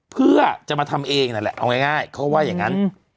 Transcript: เพื่อจะมาทำเองนั่นแหละเอาง่ายเขาว่าอย่างนั้น